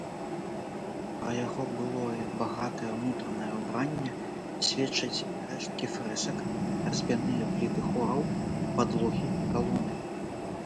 Пра яго былое багатае ўнутранае ўбранне сведчаць рэшткі фрэсак, разьбяныя пліты хораў, падлогі, калоны.